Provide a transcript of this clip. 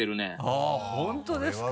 はぁ本当ですか。